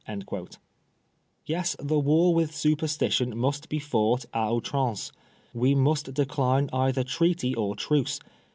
* Yes, the war with Superstition must be fought d ouiramce. We must decline either treaty or truce.